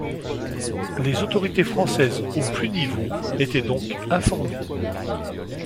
Les autorités françaises au plus niveau étaient donc informées.